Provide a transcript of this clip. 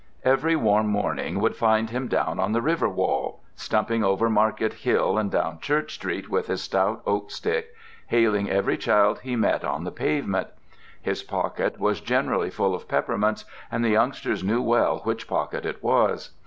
Every warm morning would see him down on the river wall; stumping over Market Hill and down Church Street with his stout oak stick, hailing every child he met on the pavement. His pocket was generally full of peppermints, and the youngsters knew well which pocket it was.